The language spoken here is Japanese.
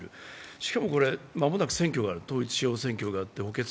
しかも間もなく選挙がある、統一地方選挙がある。